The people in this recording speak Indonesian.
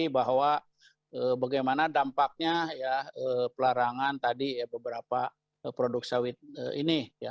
bahwa bagaimana dampaknya pelarangan tadi beberapa produk sawit ini